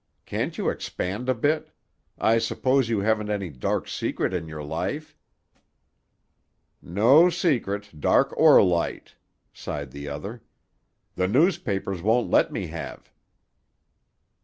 "Can't you expand a bit? I suppose you haven't any dark secret in your life?" "No secret, dark or light," sighed the other. "The newspapers won't let me have."